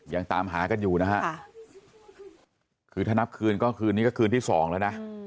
ยังตามหากันอยู่นะฮะคือถ้านับคืนก็คืนนี้ก็คืนที่สองแล้วนะ